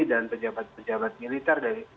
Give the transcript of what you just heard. dan pejabat pejabat militer dari